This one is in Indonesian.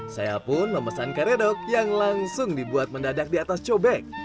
saya pun memesan karedok yang langsung dibuat mendadak di atas cobek